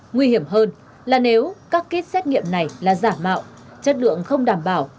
nguy hiểm hơn là nếu các kit xét nghiệm này là giả mạo chất lượng không đảm bảo